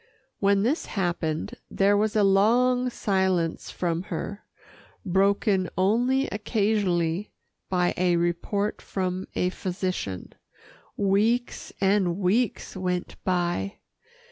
When this happened, there was a long silence from her, broken only occasionally by a report from a physician. Weeks and weeks went by.